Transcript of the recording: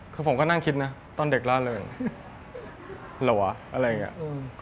คือผมก็นั่งคิดนะตอนเด็กล่าเริงเหรอวะอะไรอย่างนี้